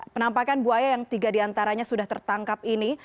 penampakan buaya yang tiga diantaranya sudah tertangkap ini